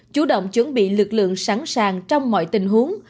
chủ động chuẩn bị lực lượng sẵn sàng trong mọi tình huống